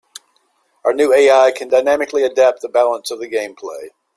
Our new AI can dynamically adapt the balance of the gameplay.